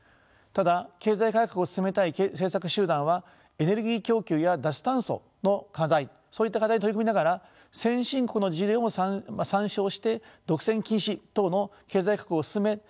ただ経済改革を進めたい政策集団はエネルギー供給や脱炭素の課題そういった課題に取り組みながら先進国の事例をも参照して独占禁止等の経済改革を進め